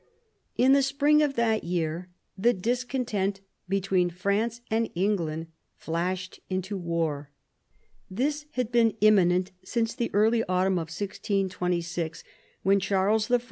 In the spring of that year the discontent between France and England flashed out into war. This had been imminent since the early autumn of 1626, when Charles I.